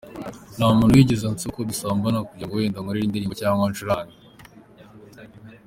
Nta muntu wigeze ansaba ko dusambana kugira ngo wenda ankorere indirimbo cyangwa ancurange.